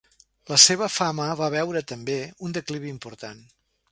La seva fama va veure, també, un declivi important.